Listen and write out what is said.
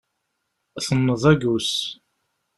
Tenneḍ agus.